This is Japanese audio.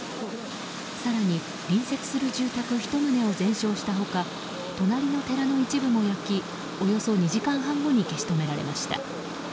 更に、隣接する住宅１棟を全焼した他隣の寺の一部も焼きおよそ２時間半後に消し止められました。